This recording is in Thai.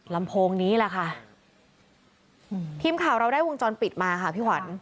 ลำโพงนี้แหละค่ะทีมข่าวเราได้วงจรปิดมาค่ะพี่ขวัญ